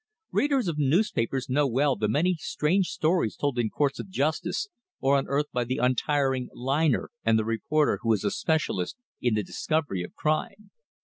Readers of newspapers know well the many strange stories told in courts of justice, or unearthed by the untiring "liner" and the reporter who is a specialist in the discovery of crime.